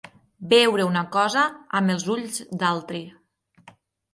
Veure una cosa amb els ulls d'altri.